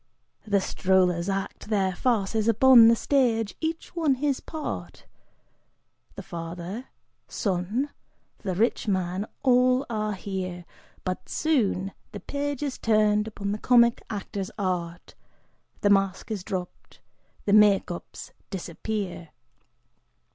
The strollers act their farces upon the stage, each one his part, The father, son, the rich man, all are here, But soon the page is turned upon the comic actor's art, The masque is dropped, the make ups disappear!